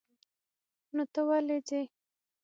نو ته ولې ځې؟